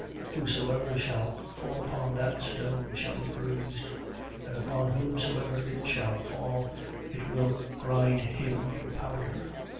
20:18. Whosoever shall fall upon that stone shall be bruised: and upon whomsoever it shall fall, it will grind him to powder.